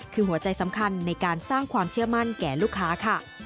คือหัวใจสำคัญในการสร้างความเชื่อมั่นแก่ลูกค้าค่ะ